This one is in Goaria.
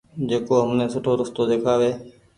جڪو همني سوُٺو رستو ۮيکآوي ۔